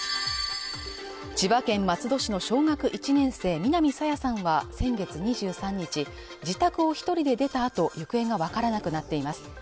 千葉県松戸市の小学１年生南朝芽さんは先月２３日自宅を一人で出たあと行方が分からなくなっています